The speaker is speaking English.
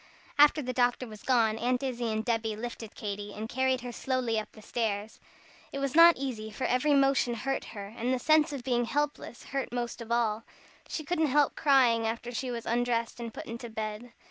After the doctor was gone, Aunt Izzie and Debby lifted Katy, and carried her slowly up stairs. It was not easy, for every motion hurt her, and the sense of being helpless hurt most of all. She couldn't help crying after she was undressed and put into bed.